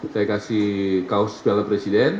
saya kasih kaos piala presiden